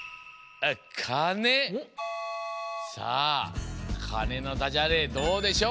さあ「かね」のダジャレどうでしょう？